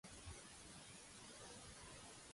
Tartareu, vila pomposa.